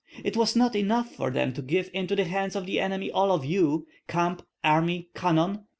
It was not enough for them to give into the hands of the enemy all of you, camp, army, cannon.